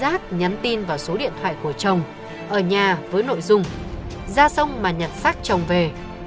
thưa đã lấy một chiếc sim rát nhắn tin vào số điện thoại của chồng ở nhà với nội dung ra sông mà nhận sắc chồng về